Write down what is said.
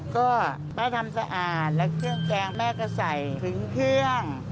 ก็แม่ทำสะอาดและเครื่องแกงแม่ก็ใส่เพียง